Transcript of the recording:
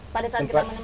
pada saat kita menemukan